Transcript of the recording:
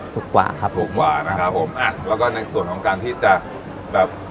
กว่าครับถูกกว่านะครับผมอ่ะแล้วก็ในส่วนของการที่จะแบบ